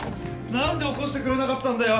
・何で起こしてくれなかったんだよ！